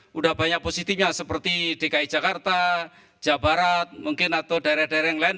sudah banyak positifnya seperti dki jakarta jawa barat mungkin atau daerah daerah yang lain